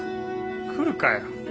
来るかよ